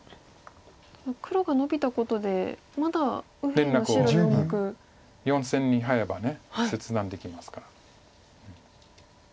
黒がノビたことでまだ右辺の白４目。４線にハエば切断できますから。